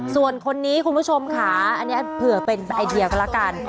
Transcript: ส่วนคนนี้คุณผู้ชมค่ะอันนี้เผื่อเป็นไอเดียกันแล้วกัน